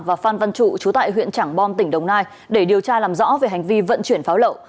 và phan văn trụ chú tại huyện trảng bom tỉnh đồng nai để điều tra làm rõ về hành vi vận chuyển pháo lậu